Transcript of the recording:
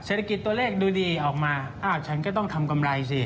เศรษฐกิจตัวเลขดูดีออกมาอ้าวฉันก็ต้องทำกำไรสิ